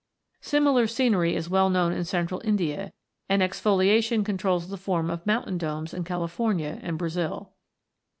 Similar scenery is well known in central India, and exfoliation controls the form of mountain domes in California and Brazil.